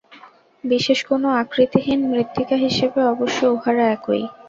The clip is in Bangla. বিশেষ কোন আকৃতিহীন মৃত্তিকা হিসাবে অবশ্য উহারা একই।